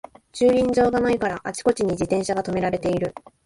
駐輪場がないからあちこちに自転車がとめられてる